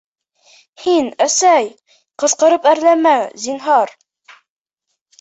— Һин, әсәй, ҡысҡырып әрләмә, зинһар.